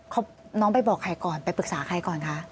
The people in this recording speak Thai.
เขาน้องไปบอกใครก่อนไปปรึกษาใครก่อนคะ